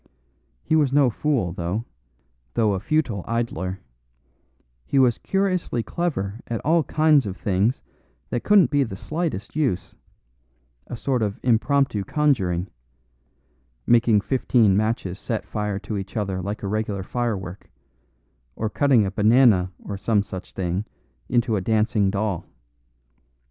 He was no fool though, though a futile idler; he was curiously clever at all kinds of things that couldn't be the slightest use; a sort of impromptu conjuring; making fifteen matches set fire to each other like a regular firework; or cutting a banana or some such thing into a dancing doll.